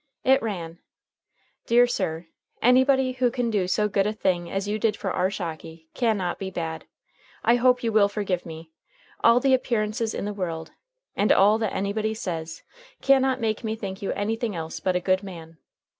It ran: "Dear Sir: Anybody who can do so good a thing as you did for our Shocky, can not be bad. I hope you will forgive me. All the appearances in the world, and all that anybody says, can not make me think you anything else but a good man.